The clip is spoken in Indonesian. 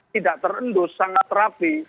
tidak terendus sangat rapi